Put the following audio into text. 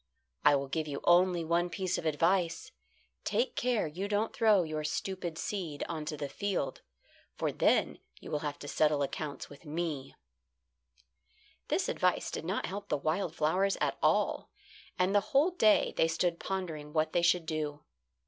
"I will give you only one piece of advice: take care you don't throw your stupid seed on to the field, for then you will have to settle accounts with me." This advice did not help the wild flowers at all, and the whole day they stood pondering what they should do.